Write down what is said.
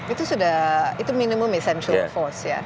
itu sudah itu minimum essential force ya